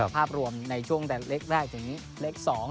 ภาพรวมในช่วงแต่เล็กถึงเล็ก๒